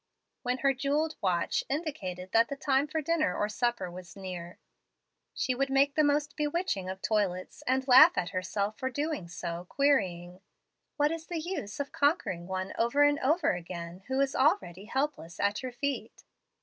When her jewelled watch indicated that the time for dinner or supper was near, she would make the most bewitching of toilets, and laugh at herself for doing so, querying, "What is the use of conquering one over and over again who is already helpless at your feet?"